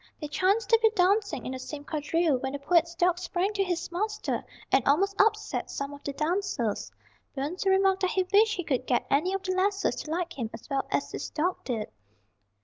They chanced to be dancing in the same quadrille when the poet's dog sprang to his master and almost upset some of the dancers. Burns remarked that he wished he could get any of the lasses to like him as well as his dog did.